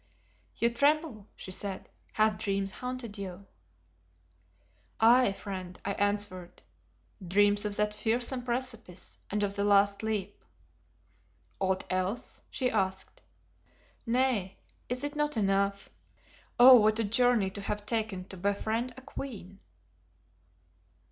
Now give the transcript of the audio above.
"You tremble," she said; "have dreams haunted you?" "Aye, friend," I answered, "dreams of that fearsome precipice and of the last leap." "Aught else?" she asked. "Nay; is it not enough? Oh! what a journey to have taken to befriend a queen."